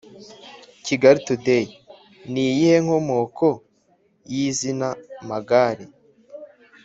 Kigali Today: Ni iyihe nkomoko y’izina Magare?